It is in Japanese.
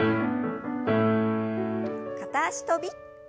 片脚跳び。